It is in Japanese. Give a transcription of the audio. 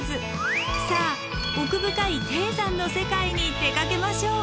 さあ奥深い低山の世界に出かけましょう。